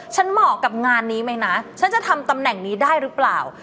เหมาะกับงานนี้ไหมนะฉันจะทำตำแหน่งนี้ได้หรือเปล่า